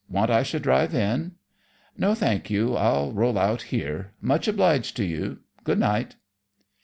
Want I should drive in?" "No, thank you. I'll roll out here. Much obliged to you. Good night."